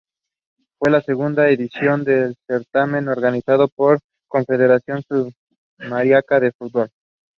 Sammy used three different drummers during the recording sessions for the album.